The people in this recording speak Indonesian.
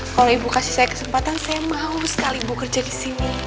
kalau ibu kasih saya kesempatan saya mau sekali bu kerja disini